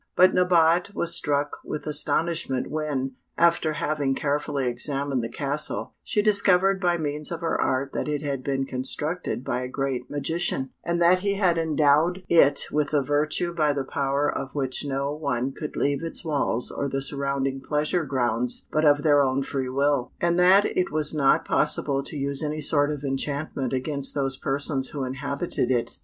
But Nabote was struck with astonishment when, after having carefully examined the castle, she discovered by means of her art that it had been constructed by a great magician, and that he had endowed it with a virtue by the power of which no one could leave its walls or the surrounding pleasure grounds but of their own free will, and that it was not possible to use any sort of enchantment against those persons who inhabited it.